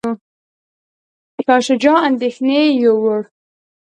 شاه شجاع اندیښنې یووړ.